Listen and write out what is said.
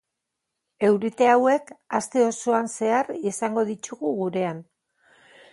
Eurite hauek aste osoan zehar izango ditugu gurean.